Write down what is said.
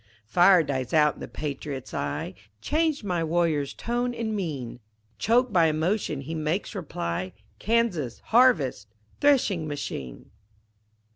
Fire dies out in the patriot's eye, Changed my warrior's tone and mien, Choked by emotion he makes reply, "Kansas harvest threshing machine!"